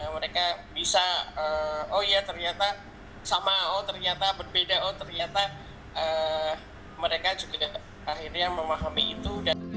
mereka bisa oh iya ternyata sama oh ternyata berbeda oh ternyata mereka juga akhirnya memahami itu